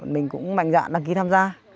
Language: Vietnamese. mình cũng mạnh dạng đăng ký tham gia